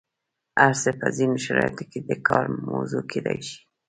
هر څه په ځینو شرایطو کې د کار موضوع کیدای شي.